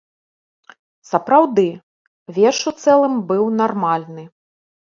Сапраўды, верш у цэлым быў нармальны.